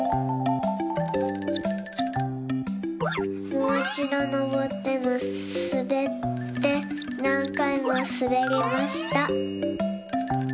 もういちどのぼってすべってなんかいもすべりました。